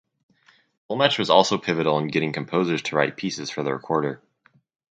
Dolmetsch was also pivotal in getting composers to write pieces for the recorder.